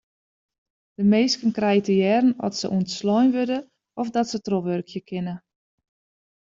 De minsken krije te hearren oft se ûntslein wurde of dat se trochwurkje kinne.